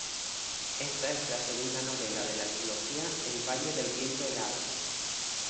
Esta es la segunda novela de la trilogía El valle del viento helado.